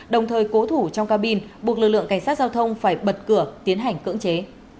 đồng thời cố thủ trong cabin buộc lực lượng cảnh sát giao thông phải bật cửa tiến hành cưỡng chế